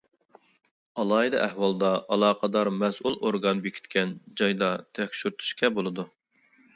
ئالاھىدە ئەھۋالدا، ئالاقىدار مەسئۇل ئورگان بېكىتكەن جايدا تەكشۈرتۈشكە بولىدۇ.